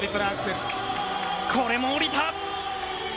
これも降りた！